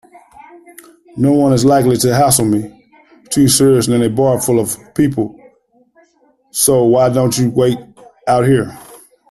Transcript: Noone is likely to hassle me too seriously in a bar full of people, so why don't you wait out here?